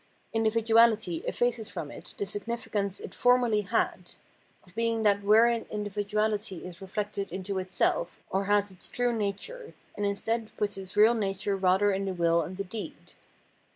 In dividuahty effaces from it the significance it formerly had — of being that wherein individuahty is reflected into itself, or has its true nature — and instead puts its real nature rather in the will and the deed.